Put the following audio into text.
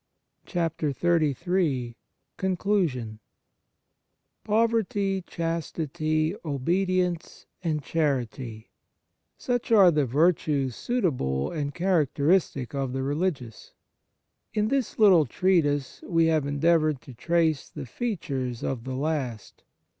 79 XXXIII CONCLUSION POVERTY, chastity, obedience, and chanty such are the virtues suitable and characteristic of the religious. In this little treatise we have endeavoured to trace the features of the last.